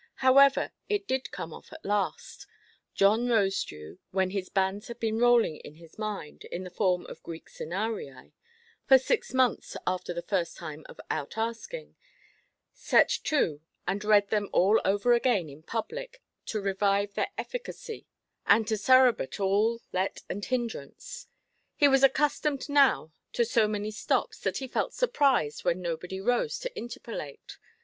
However, it did come off at last; John Rosedew, when his banns had been rolling in his mind, in the form of Greek senarii, for six months after the first time of out–asking, set to and read them all over again in public; to revive their efficacy, and to surrebut all let and hindrance. He was accustomed now to so many stops, that he felt surprised when nobody rose to interpellate.